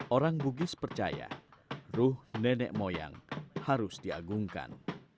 orang bugis percaya ruh nenek moyang harus diagungkan